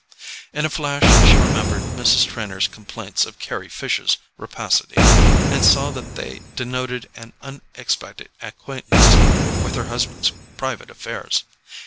In a flash she remembered Mrs. Trenor's complaints of Carry Fisher's rapacity, and saw that they denoted an unexpected acquaintance with her husband's private affairs.